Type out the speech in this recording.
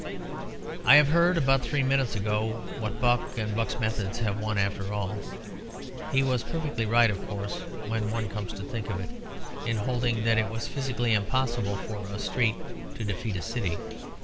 "I have heard, about three minutes ago, that Buck and Buck's methods have won after all. He was perfectly right, of course, when one comes to think of it, in holding that it was physically impossible for a street to defeat a city.